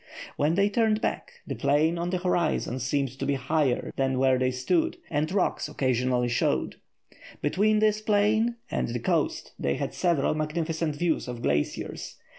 When they turned back, the plain on the horizon seemed to be higher than where they stood, and rocks occasionally showed. Between this plain and the coast they had several magnificent views of glaciers.